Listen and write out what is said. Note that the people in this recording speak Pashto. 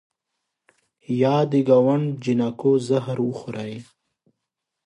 یه د ګاونډ جینکو زهر وخورئ